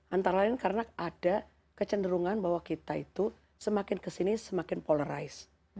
antara lain karena ada kecenderungan bahwa kita itu semakin kesini semakin polarized